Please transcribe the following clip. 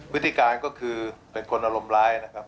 วิธีการก็คือเป็นคนอารมณ์ร้ายนะครับ